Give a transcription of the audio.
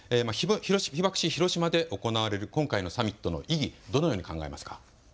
被爆地広島で行われる今回のサミットの意義、どのように考えますか。